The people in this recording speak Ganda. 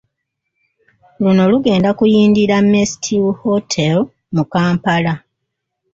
Luno lugenda kuyindira Mestil Hotel mu Kampala.